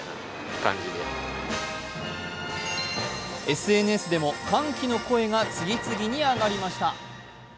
ＳＮＳでも歓喜の声が次々に上がりました。